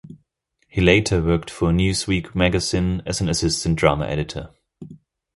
He later worked for "Newsweek" magazine as an assistant drama editor.